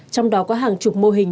trong đó có hàng chục mô hình